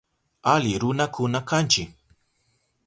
Ali runakuna kanchi.